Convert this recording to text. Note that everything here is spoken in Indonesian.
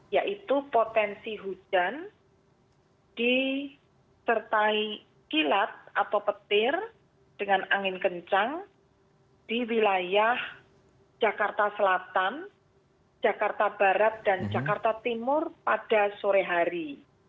yaitu potensi hujan disertai kilat atau petir dengan angin kencang di wilayah jakarta selatan jakarta barat dan jakarta timur pada sore hari